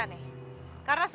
semakin banyak pengemis kita